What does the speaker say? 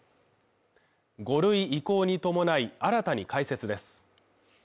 ５類移行に伴い、新たに開設です。